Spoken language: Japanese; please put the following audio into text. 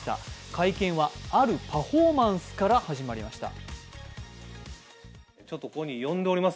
会見はあるパフォーマンスから始まりました。